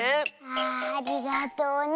ああありがとうね。